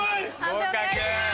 合格。